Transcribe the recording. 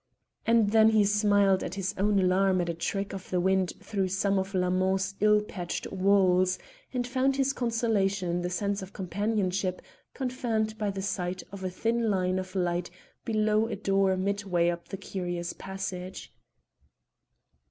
And then he smiled at his own alarm at a trick of the wind through some of La mond's ill patched walls, and found his consolation in the sense of companionship confirmed by sight of a thin line of light below a door mid way up the curious passage.